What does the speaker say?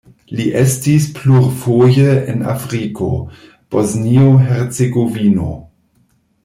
Li estis plurfoje en Afriko, Bosnio-Hercegovino.